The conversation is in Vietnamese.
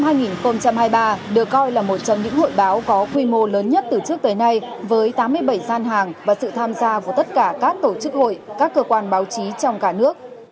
năm hai nghìn hai mươi ba được coi là một trong những hội báo có quy mô lớn nhất từ trước tới nay với tám mươi bảy gian hàng và sự tham gia của tất cả các tổ chức hội các cơ quan báo chí trong cả nước